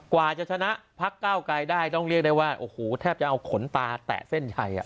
กว่าจะชนะพักเก้าไกลได้ต้องเรียกได้ว่าโอ้โหแทบจะเอาขนตาแตะเส้นใหญ่